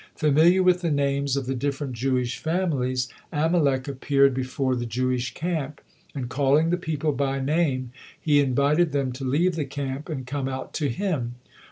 Familiar with the names of the different Jewish families, Amalek appeared before the Jewish camp, and calling the people by name, he invited them to leave the camp, and come out to him.